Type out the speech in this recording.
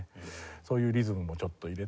そういうリズムもちょっと入れて。